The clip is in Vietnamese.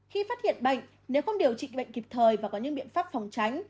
khi phát hiện bệnh nếu không điều trị bệnh kịp thời và có những biện pháp phòng tránh